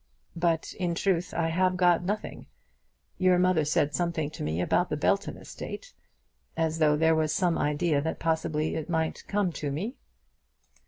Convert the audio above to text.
"But in truth I have got nothing. Your mother said something to me about the Belton estate; as though there was some idea that possibly it might come to me."